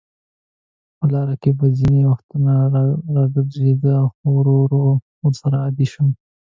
په لاره کې به ځینې وختونه راجګېده، خو ورو ورو ورسره عادي شوم.